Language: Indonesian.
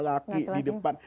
laki di depan